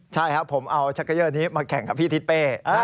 ใช่ครับผมเอาชักเกยอร์นี้มาแข่งกับพี่ทิศเป้